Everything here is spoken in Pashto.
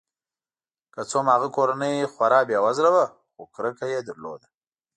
که څه هم هغه کورنۍ خورا بې وزله وه خو کرکه یې درلوده.